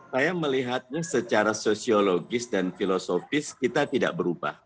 saya melihatnya secara sosiologis dan filosofis kita tidak berubah